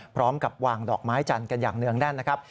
พร้อมกับวางดอกไม้จันทร์กันอย่างเนื่องแน่นนะครับ